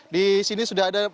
di sini sudah ada